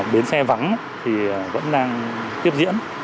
biến xe vắng thì vẫn đang tiếp diễn